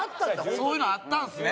そういうのあったんですね。